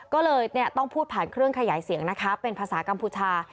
ก็เลยต้องพูดผ่านเครื่องขยายเสียงนะคะเป็นภาษากัมพูชา